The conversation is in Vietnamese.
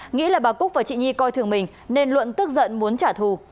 nghĩ là bà cúc và chị nhi coi thường mình nên luận tức giận muốn trả thù